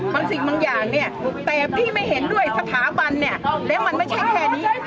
สิ่งบางอย่างเนี่ยแต่พี่ไม่เห็นด้วยสถาบันเนี่ยแล้วมันไม่ใช่แค่นี้